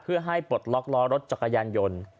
เพื่อให้ปลดล็อกล้อรถจักรยานยนต์